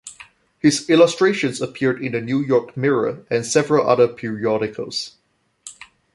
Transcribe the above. His illustrations appeared in the New York "Mirror" and several other periodicals.